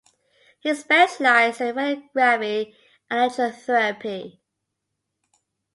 He specialised in radiography and electrotherapy.